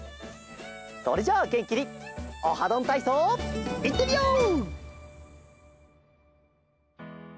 それじゃあげんきに「オハどんたいそう」いってみよう！